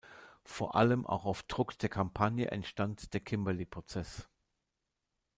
Vor allem auch auf Druck der Kampagne entstand der Kimberley-Prozess.